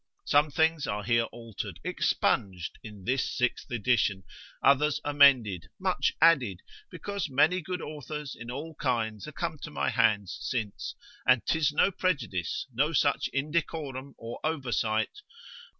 Some things are here altered, expunged in this sixth edition, others amended, much added, because many good authors in all kinds are come to my hands since, and 'tis no prejudice, no such indecorum, or oversight.